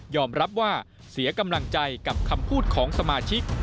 รับว่าเสียกำลังใจกับคำพูดของสมาชิก